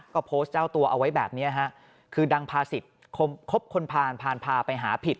ก็โพสต์เจ้าตัวเอาไว้แบบนี้ฮะคือดังพาสิทธิ์ครบคนผ่านพานพาไปหาผิด